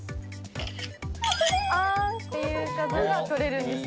あーんっていう画が撮れるんですよ。